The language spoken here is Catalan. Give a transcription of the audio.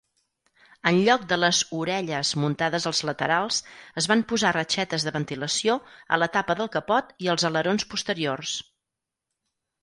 En lloc de les "orelles" muntades als laterals, es van posar reixetes de ventilació a la tapa del capot i als alerons posteriors.